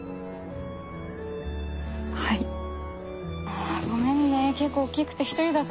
はい。ああごめんね結構大きくて一人だとちょっと。